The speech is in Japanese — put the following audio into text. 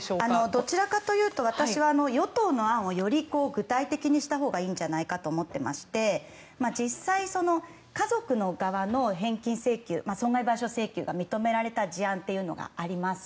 どちらかというと与党の案をより具体的にしたほうがいいんじゃないかと思っていまして実際、家族の側の返金請求損害賠償請求が認められた事案というのがあります。